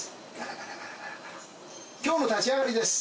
今日の立ち上がりです